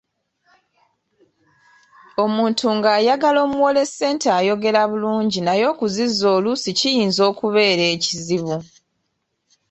Omuntu ng’ayagala omuwole ssente ayogera bulungi naye okuzizza oluusi kiyinza okubeera ekizibu.